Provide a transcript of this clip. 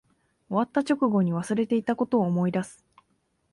終わった直後に忘れていたことを思い出す